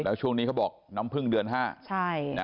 แล้วช่วงนี้เขาบอกน้ำพึ่งเดือน๕